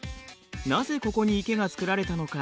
なぜここに池が造られたのか？